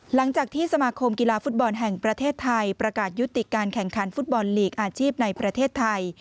หลังจากที่สมาคมกีฬาฟุตบอลแห่งประเทศไทยประกาศยุติการแข่งขันฟุตบอลลีกอาชีพในประเทศไทย